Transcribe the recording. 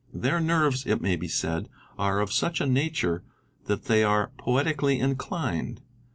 '' Their nerves it may be said are of such a nature that they are poetically inclined.